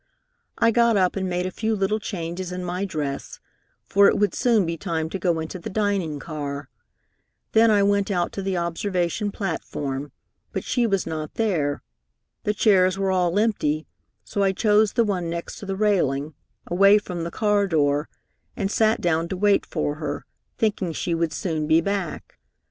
I got up and made a few little changes in my dress, for it would soon be time to go into the dining car. Then I went out to the observation platform, but she was not there. The chairs were all empty, so I chose the one next to the railing, away from the car door, and sat down to wait for her, thinking she would soon be back.